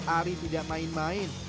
ari tidak main main